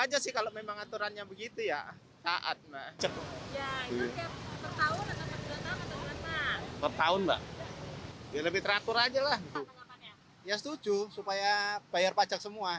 ya lebih teratur aja lah ya setuju supaya bayar pajak semua